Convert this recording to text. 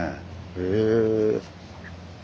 へえ。